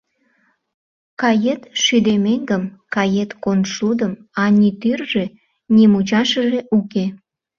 Кает шӱдӧ меҥгым, кает коншудым, а ни тӱржӧ, ни мучашыже уке!